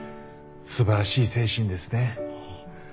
すばらしい精神ですね。